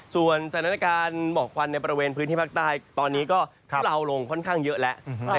ส่วนสถานการณ์หมอกควันในบริเวณพื้นที่ภาคใต้ตอนนี้ก็ทุเลาลงค่อนข้างเยอะแล้ว